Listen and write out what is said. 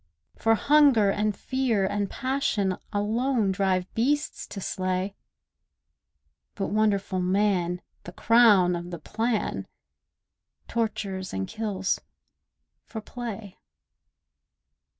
For hunger, and fear, and passion Alone drive beasts to slay, But wonderful man, the crown of the plan, Tortures, and kills, for play.